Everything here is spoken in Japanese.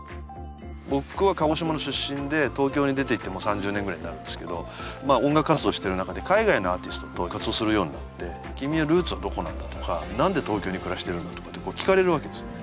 僕は鹿児島の出身で東京に出ていってもう３０年ぐらいになるんですけど音楽活動をしている中で海外のアーティストと活動するようになって君はルーツはどこなんだとかなんで東京に暮らしてるんだとかってこう聞かれるわけですよ